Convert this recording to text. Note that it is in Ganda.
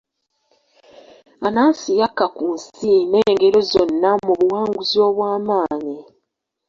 Anansi yakka ku nsi n'engero zonna mu buwanguzi obw'amaanyi.